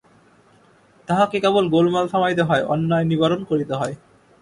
তাহাকে কেবল গোলমাল থামাইতে হয়, অন্যায় নিবারণ করিতে হয়।